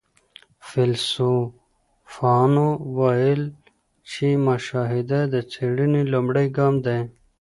فيلسوفانو ويل چي مشاهده د څېړنې لومړی ګام دی.